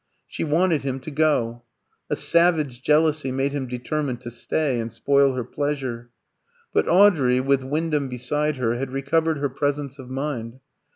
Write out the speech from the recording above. She wanted him to go. A savage jealousy made him determined to stay and spoil her pleasure. But Audrey, with Wyndham beside her, had recovered her presence of mind.